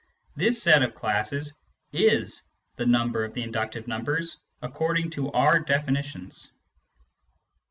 this set of classes is the number of the inductive numbers according to our definitions.